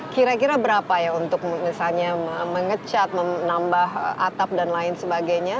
kira kira berapa ya untuk misalnya mengecat menambah atap dan lain sebagainya